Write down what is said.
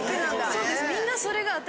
そうです。